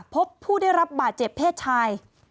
พบผู้ได้รับบาดเจ็บเพศชาย